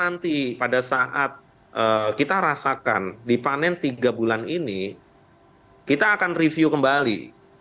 nanti pada saat kita rasakan dipanen tiga bulan ini kita akan review kembali